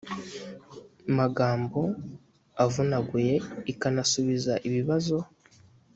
magambo avunaguye ikanasubiza ibibazo